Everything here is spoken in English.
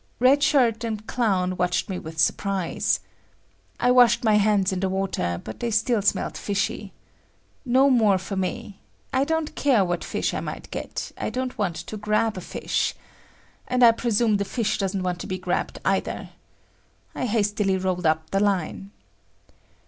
Red Shirt and Clown watched me with surprise. I washed my hands in the water but they still smelled "fishy." No more for me! I don't care what fish I might get, I don't want to grab a fish. And I presume the fish doesn't want to be grabbed either. I hastily rolled up the line.